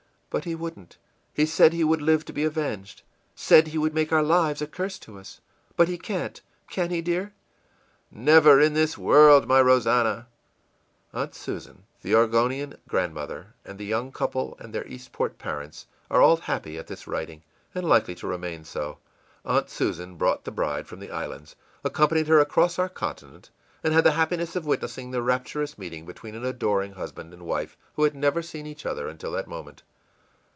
But he wouldn't. He said he would live to be avenged; said he would make our lives a curse to us. But he can't, can he, dear?î ìNever in this world, my Rosannah!î Aunt Susan, the Oregonian grandmother, and the young couple and their Eastport parents, are all happy at this writing, and likely to remain so. Aunt Susan brought the bride from the islands, accompanied her across our continent, and had the happiness of witnessing the rapturous meeting between an adoring husband and wife who had never seen each other until that moment.